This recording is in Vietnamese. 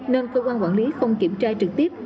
nên cơ quan quản lý không kiểm tra trực tiếp